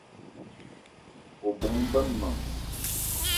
O bóng-be m'men